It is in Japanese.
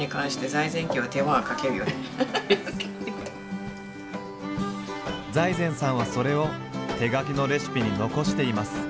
財前さんはそれを手書きのレシピに残しています。